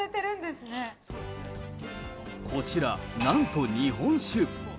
こちら、なんと日本酒。